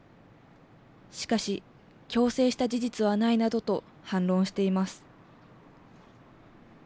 しかし、強制した事実はないなどと反論しています。